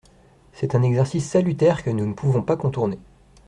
C’est un exercice salutaire que nous ne pouvons pas contourner.